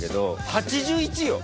８１よ？